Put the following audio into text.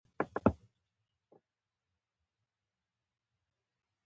انار د افغانستان د امنیت په اړه هم پوره اغېز لري.